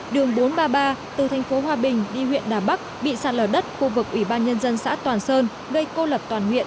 đường bốn trăm ba mươi ba từ thành phố hòa bình đi huyện đà bắc bị sạt lở đất khu vực ủy ban nhân dân xã toàn sơn gây cô lập toàn huyện